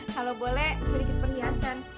kalau boleh sedikit perlihatan